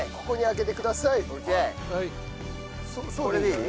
これでいい？